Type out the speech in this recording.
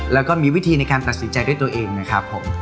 แล้วก็มีวิธีในการตัดสินใจด้วยตัวเองนะครับผม